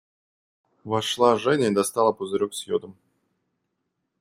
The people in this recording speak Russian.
Вошла Женя и достала пузырек с йодом.